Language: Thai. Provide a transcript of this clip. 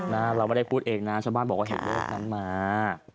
เราไม่ได้พูดเองนะชาวบ้านบอกว่าเห็นเลขนั้นมา